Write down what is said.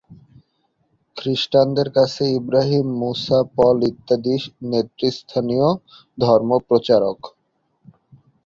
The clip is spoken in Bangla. খ্রিষ্টানদের কাছে ইব্রাহিম, মুসা, পল ইত্যাদি নেতৃস্থানীয় ধর্মপ্রচারক।